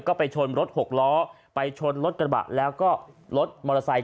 ก็ไปชนรถหกล้อไปชนรถกระบะแล้วก็รถมอเตอร์ไซค์